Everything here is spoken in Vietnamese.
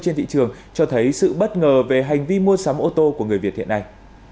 trên thị trường cho thấy sự bất ngờ về hành vi mua sắm ô tô của người việt hiện nay